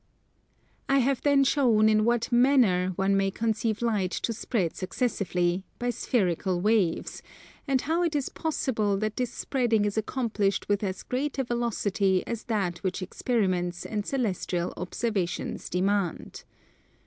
I have then shown in what manner one may conceive Light to spread successively, by spherical waves, and how it is possible that this spreading is accomplished with as great a velocity as that which experiments and celestial observations demand.